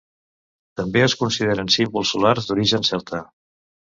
També es consideren símbols solars d'origen celta.